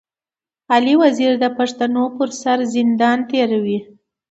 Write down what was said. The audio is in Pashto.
علي وزير د پښتنو پر سر زندان تېروي.